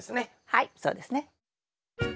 はいそうですね。